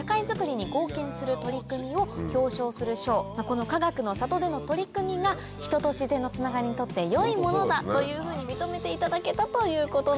このかがくの里での取り組みが人と自然のつながりにとって良いものだというふうに認めていただけたということなんですね。